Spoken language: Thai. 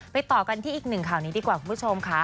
ต่อกันที่อีกหนึ่งข่าวนี้ดีกว่าคุณผู้ชมค่ะ